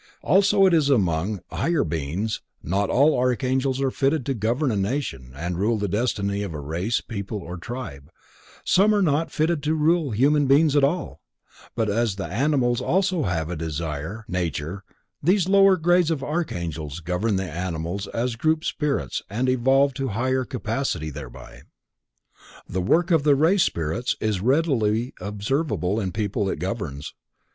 So it is also among higher beings, not all Archangels are fitted to govern a nation and rule the destiny of a race, people or tribe, some are not fitted to rule human beings at all, but as the animals also have a desire nature these lower grades of Archangels govern the animals as group spirits and evolve to higher capacity thereby. The work of the race spirits is readily observable in the people it governs.